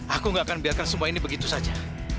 aku gak akan biarkan semua ini begitu saja